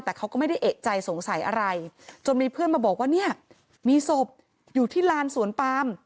แต่เขาก็ไม่ได้เอกใจสงสัยอะไรจนมีเพื่อนมาบอกว่าเนี่ยมีศพอยู่ที่ลานสวนปาม